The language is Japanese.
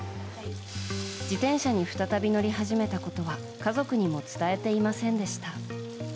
自転車に再び乗り始めたことは家族にも伝えていませんでした。